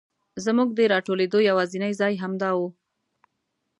زمونږ د راټولېدو یواځینی ځای همدا و.